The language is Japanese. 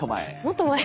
もっと前。